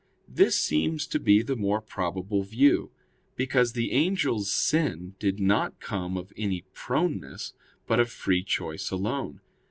This seems to be the more probable view: because the angels' sin did not come of any proneness, but of free choice alone.